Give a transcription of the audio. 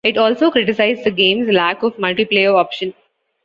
It also criticized the game's lack of multiplayer option.